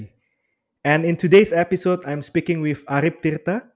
dan di episode hari ini saya berbicara dengan arief tirta